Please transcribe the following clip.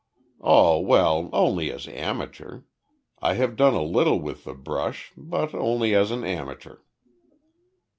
"Oh well, only as amateur. I have done a little with the brush but, only as an amateur."